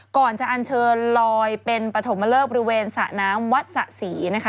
ก่อนจะอันเชิญลอยเป็นปฐมเลิกบริเวณสระน้ำวัดสะศรีนะคะ